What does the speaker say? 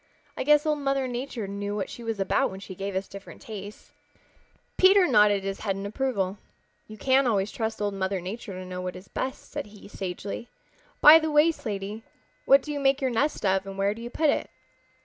I guess Old Mother Nature knew what she was about when she gave us different tastes." Peter nodded his head in approval. "You can always trust Old Mother Nature to know what is best," said he sagely. "By the way, Slaty, what do you make your nest of and where do you put it?"